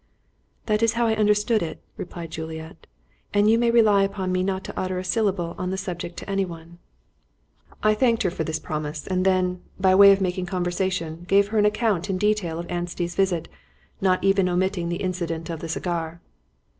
"That was how I understood it," replied Juliet; "and you may rely upon me not to utter a syllable on the subject to anyone." I thanked her for this promise, and then, by way of making conversation, gave her an account in detail of Anstey's visit, not even omitting the incident of the cigar.